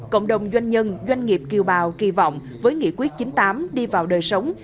cộng đồng doanh nhân doanh nghiệp kiều bào kỳ vọng với nghị quyết chín mươi tám đi vào đời sống